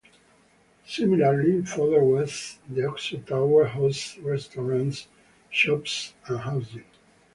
Similarly, further west, the Oxo Tower hosts restaurants, shops and housing.